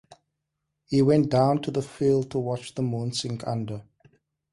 He went down to the field to watch the moon sink under.